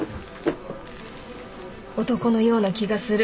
男のような気がする。